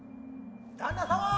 旦那様！